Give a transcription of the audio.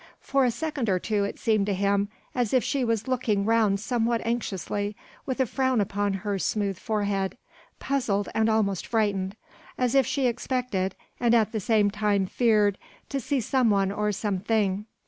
For a second or two it seemed to him as if she was looking round somewhat anxiously, with a frown upon her smooth forehead puzzled and almost frightened as if she expected and at the same time feared to see some one or something.